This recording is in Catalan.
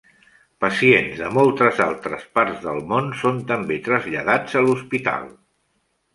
Pacients de moltes altres parts del mon són també traslladats a l'hospital.